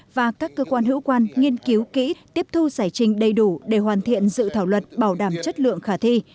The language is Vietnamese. và các cơ quan hữu quan nghiên cứu kỹ tiếp thu giải trình đầy đủ để hoàn thiện dự thảo luật bảo đảm chất lượng khả thi